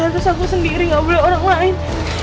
terus aku sendiri gak boleh orang lain